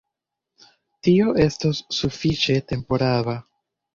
Tio estos sufiĉe temporaba.